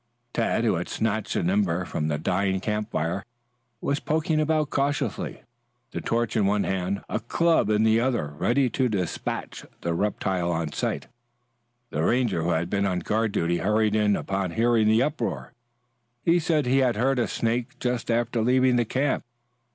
Tad, who had snatched an ember from the dying campfire, was poking about cautiously, the torch in one hand, a club in the other ready to dispatch the reptile on sight. The Ranger who had been on guard duty hurried in upon hearing the uproar. He said he had heard a snake just after leaving the camp.